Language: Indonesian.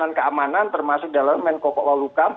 dan keamanan termasuk dalaman koko alukam